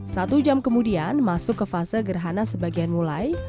satu jam kemudian masuk ke fase gerhana sebagian mulai